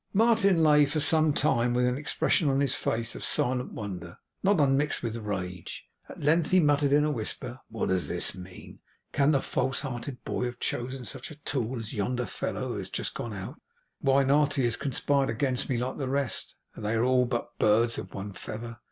Martin lay for some time, with an expression on his face of silent wonder, not unmixed with rage; at length he muttered in a whisper: 'What does this mean? Can the false hearted boy have chosen such a tool as yonder fellow who has just gone out? Why not! He has conspired against me, like the rest, and they are but birds of one feather.